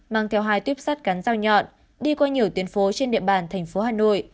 mang theo hai tuyếp sắt cắn dao nhọn đi qua nhiều tuyến phố trên địa bàn thành phố hà nội